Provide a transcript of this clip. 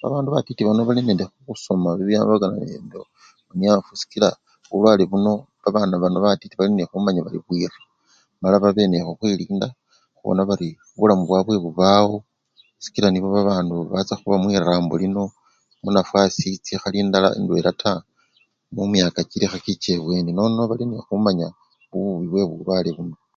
Babandu batiti balinende khusoma khubiwambakana nende munyafu sikila bulwale buno babana batiti bano balinekhumanya bari bwira male babe nekhukhwilinda khubona bari bulamu bwabwe bubawo sikila nibo babandu bacha khuba mwinambo lino munyafwasi chikhali ndala! ndwela taa mumyaka kilikhekicha ebweni, nono balinekhumanya khububi bwebulwale buno.